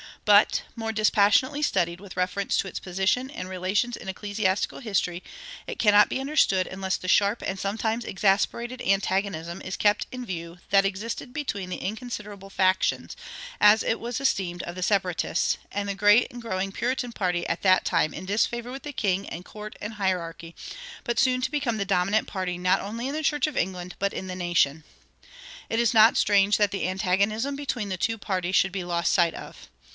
But, more dispassionately studied with reference to its position and relations in ecclesiastical history, it cannot be understood unless the sharp and sometimes exasperated antagonism is kept in view that existed between the inconsiderable faction, as it was esteemed, of the Separatists, and the great and growing Puritan party at that time in disfavor with king and court and hierarchy, but soon to become the dominant party not only in the Church of England, but in the nation. It is not strange that the antagonism between the two parties should be lost sight of.